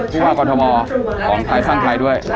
ผู้ว่ากรทมของไทยสร้างไทยด้วย